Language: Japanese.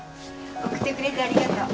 送ってくれてありがとう。